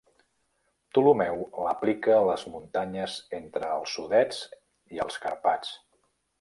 Ptolemeu l'aplica a les muntanyes entre els Sudets i els Carpats.